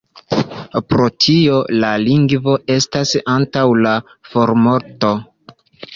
Pro tio la lingvo estas antaŭ la formorto.